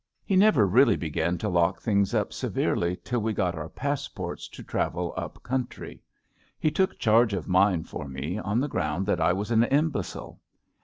He never really began to lock things up severely till we got our passports to travel up country. He took charge of mine for me, on the ground that I was an imbecile.